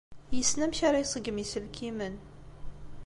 Yessen amek ara iṣeggem iselkimen.